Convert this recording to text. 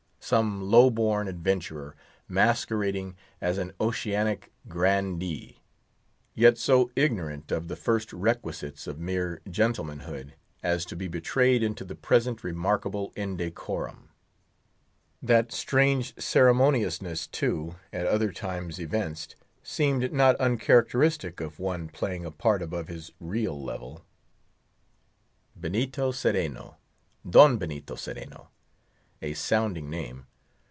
Some low born adventurer, masquerading as an oceanic grandee; yet so ignorant of the first requisites of mere gentlemanhood as to be betrayed into the present remarkable indecorum. That strange ceremoniousness, too, at other times evinced, seemed not uncharacteristic of one playing a part above his real level. Benito Cereno—Don Benito Cereno—a sounding name.